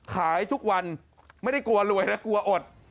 ขายทุกวันไม่ได้กลัวรวยนะกลัวอด